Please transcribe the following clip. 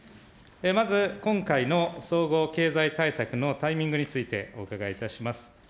まず今回の総合経済対策のタイミングについてお伺いいたします。